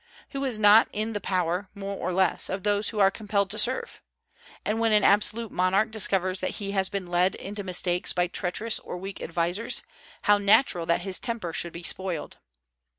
Who is not in the power, more or less, of those who are compelled to serve; and when an absolute monarch discovers that he has been led into mistakes by treacherous or weak advisers, how natural that his temper should be spoiled!